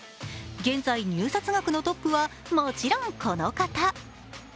現在、入札額のトップはもちろんこの方。